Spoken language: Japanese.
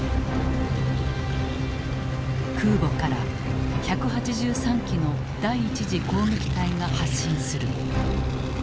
空母から１８３機の第一次攻撃隊が発進する。